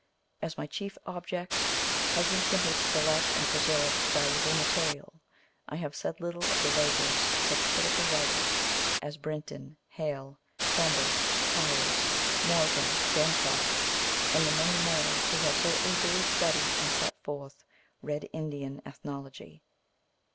As my chief object has been simply to collect and preserve valuable material, I have said little of the labors of such critical writers as Brinton, Hale, Trumbull, Powers, Morgan, Ban croft, and the many more who have so ably studied and set forth red Indian ethnology.